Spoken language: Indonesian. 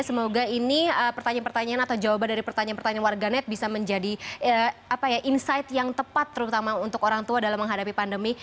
semoga ini pertanyaan pertanyaan atau jawaban dari pertanyaan pertanyaan warganet bisa menjadi insight yang tepat terutama untuk orang tua dalam menghadapi pandemi